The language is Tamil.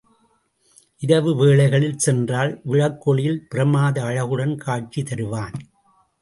இரவு வேளைகளில் சென்றால் விளக்கொளியில் பிரமாத அழகுடன் காட்சி தருவான்.